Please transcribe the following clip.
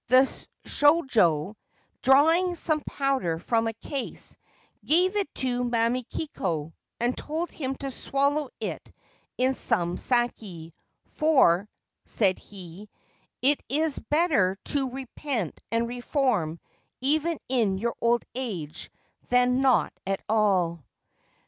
The shojo, drawing some powder from a case, gave it to Mamikiko, and told him to swallow it in some sake ; t for/ said he, ' it is better to repent and reform even in your old age than not at all.'